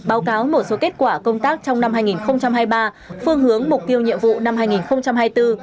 báo cáo một số kết quả công tác trong năm hai nghìn hai mươi ba phương hướng mục tiêu nhiệm vụ năm hai nghìn hai mươi bốn